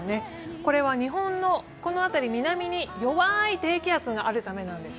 これは日本のこの辺り、南に弱い低気圧があるためなんです。